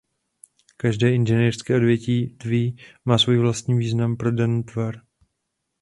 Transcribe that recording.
Každé inženýrské odvětví má svůj vlastní význam pro daný tvar.